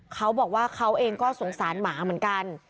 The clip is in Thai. เขาบอกว่าเขาเองก็สงสารหมาเหมือนกัน